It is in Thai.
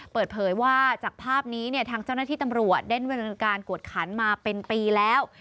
เปิดเผยว่าจากภาพนี้เนี่ยทางเจ้าหน้าที่ตำรวจได้เวลาการกวดขันมาเป็นปีแล้ว